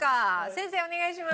先生お願いします。